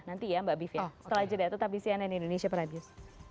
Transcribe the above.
nanti ya mbak bief ya setelah jodhia tetapi cnn indonesia prime news